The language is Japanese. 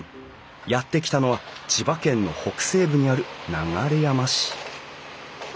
やって来たのは千葉県の北西部にある流山市。